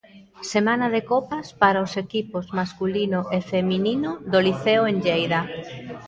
Semana de Copas para os equipos masculino e feminino do Liceo en Lleida.